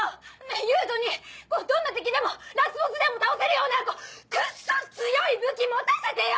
勇人にどんな敵でもラスボスでも倒せるようなクッソ強い武器持たせてよ‼